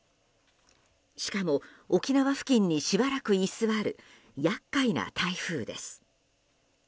しかも沖縄付近にしばらく居座る厄介な台風です。